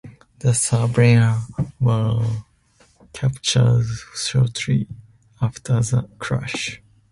The survivors were captured shortly after the crash.